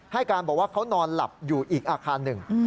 ให้การบอกว่าเขานอนหลับอยู่อีกอาคารหนึ่ง